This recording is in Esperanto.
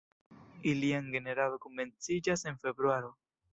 Ilian generado komenciĝas en februaro.